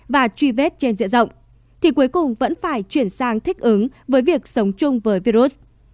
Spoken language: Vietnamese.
và truy vết trên diện rộng thì cuối cùng vẫn phải chuyển sang thích ứng với việc sống chung với virus